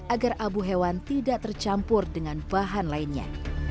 agar abu hewan tidak tercampur dengan bahan lainnya